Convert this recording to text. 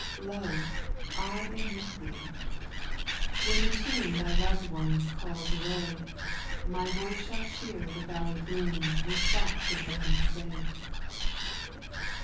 2. " Lo ! I am with thee," when the tomb Thy loved ones calls away, My voice shall cheer the valley gloom With thoughts of endless day.